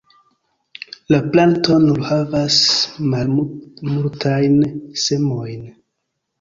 La planto nur havas malmultajn semojn.